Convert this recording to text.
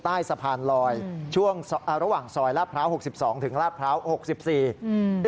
ใต้สะพานลอยระหว่างซอยลาบพร้าว๖๒ถึงลาบพร้าว๖๔